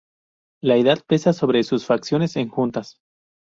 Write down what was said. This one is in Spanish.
La edad pesa sobre sus facciones enjutas.